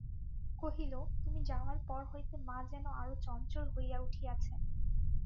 কহিল, তুমি যাওয়ার পর হইতে মা যেন আরো চঞ্চল হইয়া উঠিয়াছেন।